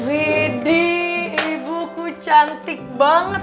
wih di ibuku cantik banget